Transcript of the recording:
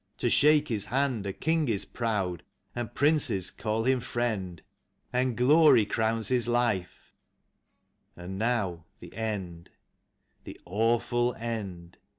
To shake his hand A King is proud, and princes call him friend, And glory crowns his life — and now the end, The awful end.